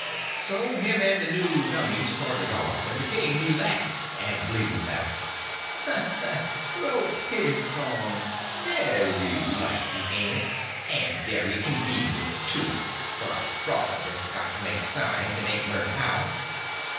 So him and the new dummy started off; and the king he laughs, and blethers out: "Broke his arm—very likely, ain't it?—and very convenient, too, for a fraud that's got to make signs, and ain't learnt how.